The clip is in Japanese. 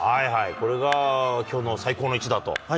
これがきょうの最高の一打と。